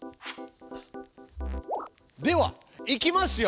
ではいきますよ。